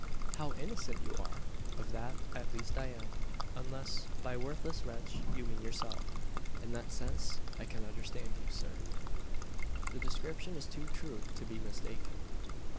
"How innocent you are!" "Of that at least I am; unless by worthless wretch you mean yourself. In that sense I can understand you, sir. The description is too true to be mistaken."